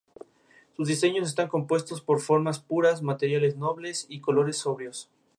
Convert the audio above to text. Sus diseños están compuestos por formas puras, materiales nobles y colores sobrios.